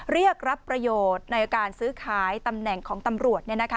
เรียกรับประโยชน์ในการซื้อขายตำแหน่งของตำรวจ